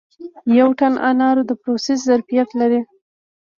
د یو ټن انارو د پروسس ظرفیت لري